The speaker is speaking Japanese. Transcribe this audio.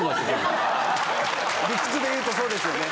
・理屈で言うとそうですよね・